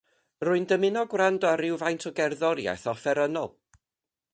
Rwy'n dymuno gwrando ar rywfaint o gerddoriaeth offerynnol.